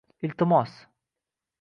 Iltimos